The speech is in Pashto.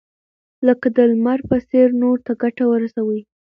لکه د لمر په څېر نورو ته ګټه ورسوئ.